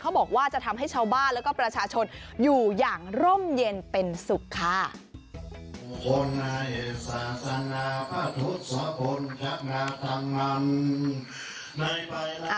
บอกว่าจะทำให้ชาวบ้านแล้วก็ประชาชนอยู่อย่างร่มเย็นเป็นสุขค่ะ